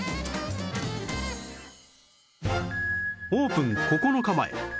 オープン９日前